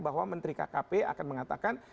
bahwa menteri kkp akan mengatakan